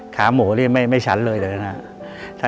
ขาหมูไม่ฉันเลยเลยนะ